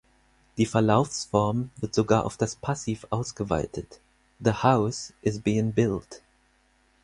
Die Verlaufsform wird sogar auf das Passiv ausgeweitet: "the house is being built".